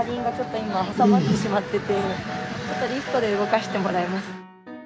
今、挟まってしまってて、ちょっとリフトで動かしてもらいます。